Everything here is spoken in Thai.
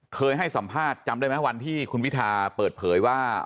เคยให้สัมภาษณ์จำได้ไหมวันที่คุณวิทาเปิดเผยว่า